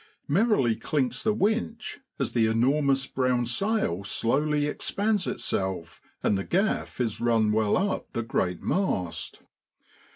Merrily clinks the winch as the enormous brown sail slowly expands itself, and the gaff is run well up the great mast.